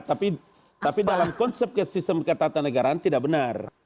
tapi dalam konsep sistem ketatanegaraan tidak benar